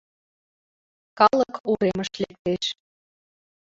— Калык уремыш лектеш.